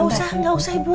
nggak usah nggak usah ibu